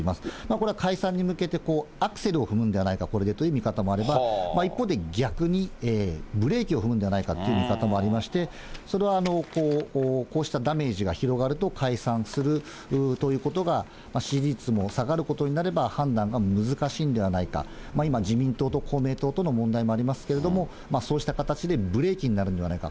これは解散に向けてアクセルを踏むんではないか、これでという見方と、一方で逆に、ブレーキを踏むんではないかという見方もありまして、それはこうしたダメージが広がると解散するということが支持率も下がることになれば、判断が難しいんではないか、今、自民党と公明党との問題もありますけれども、そうした形でブレーキになるんではないか。